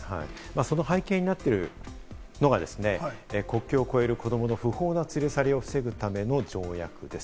その背景になっているのがですね、国境を越える子どもの不法な連れ去りを防ぐための条約です。